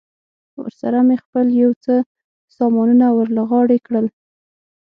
ورسره مې خپل یو څه سامانونه ور له غاړې کړل.